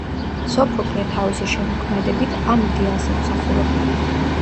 სოფოკლე თავისი შემოქმედებით ამ იდეალს ემსახურებოდა.